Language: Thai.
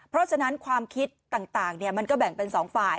เพราะฉะนั้นความคิดต่างมันก็แบ่งเป็น๒ฝ่าย